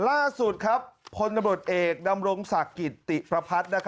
ล่าสุดครับพลน้ำรดอเอกนำรงศกิตติประพัฒน์